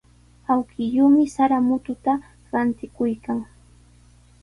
Awkilluumi sara mututa rantikuykan.